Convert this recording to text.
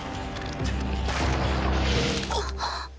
あっ。